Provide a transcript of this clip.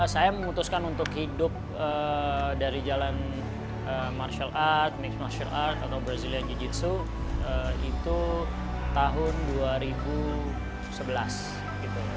saya memutuskan untuk hidup dari jalan martial art mixed martial art atau brazilian jiu jitsu itu tahun dua ribu sebelas gitu